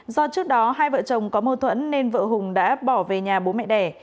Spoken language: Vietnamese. do trước đó hai vợ chồng có mâu thuẫn nên vợ hùng đã bỏ về nhà bố mẹ đẻ